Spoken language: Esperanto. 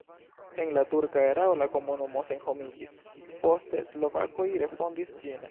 En la turka erao la komunumo senhomiĝis, poste slovakoj refondis ĝin.